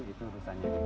itu urusannya di dalam